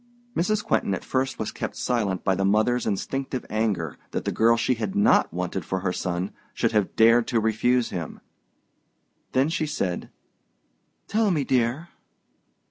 Mrs. Quentin at first was kept silent by the mother's instinctive anger that the girl she has not wanted for her son should have dared to refuse him. Then she said, "Tell me, dear."